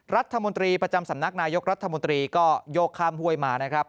รัฐมนตรีประจำสำนักนายกรัฐมนตรีก็โยกข้ามห้วยมานะครับ